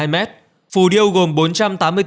một hai m phù điêu gồm